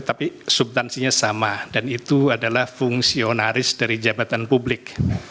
tapi subtansinya sama dan itu adalah fungsionaris dari jabatan publik